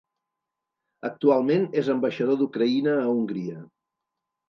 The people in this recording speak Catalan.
Actualment és ambaixador d'Ucraïna a Hongria.